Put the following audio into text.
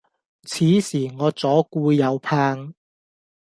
此時我左顧右盼